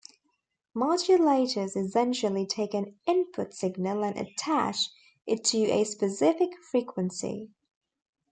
Modulators essentially take an input signal and attach it to a specific frequency.